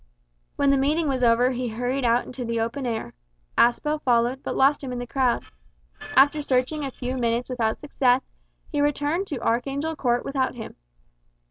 When the meeting was over he hurried out into the open air. Aspel followed, but lost him in the crowd. After searching a few minutes without success, he returned to Archangel Court without him.